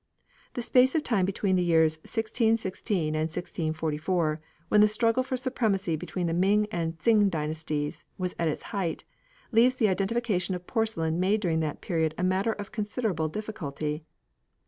The space of time between the years 1616 and 1644, when the struggle for supremacy between the Ming and Tsing dynasties was at its height, leaves the identification of porcelain made during that period a matter of considerable difficulty.